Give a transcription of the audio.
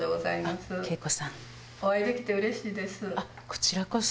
こちらこそ。